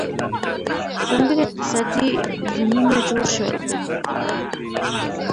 ځانګړي اقتصادي زونونه جوړ شول.